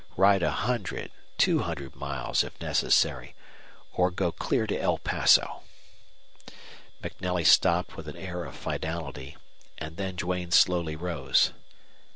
Ride a hundred, two hundred miles, if necessary, or go clear to El Paso." MacNelly stopped with an air of finality, and then Duane slowly rose.